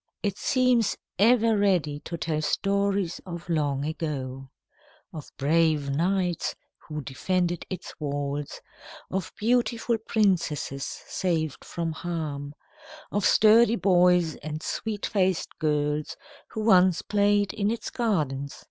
It seems ever ready to tell stories of long ago, of brave knights who defended its walls, of beautiful princesses saved from harm, of sturdy boys and sweet faced girls who once played in its gardens.